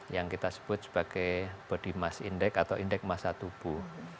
yang kita sebut sebagai body mass index atau indeks masa tubuh